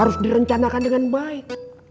harus direncanakan dengan baik